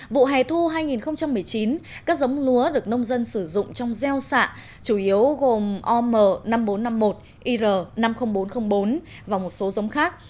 vụ hè thu hai nghìn một mươi chín các giống lúa được nông dân sử dụng trong gieo xạ chủ yếu gồm om năm nghìn bốn trăm năm mươi một ir năm mươi nghìn bốn trăm linh bốn và một số giống khác